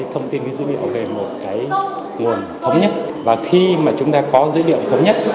thông tin dữ liệu về một nguồn thống nhất và khi chúng ta có dữ liệu thống nhất